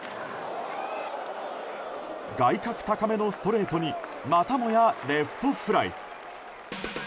外角高めのストレートにまたもやレフトフライ。